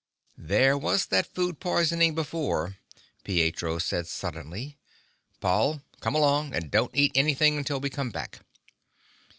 "There was that food poisoning before," Pietro said suddenly. "Paul, come along. And don't eat anything until we come back."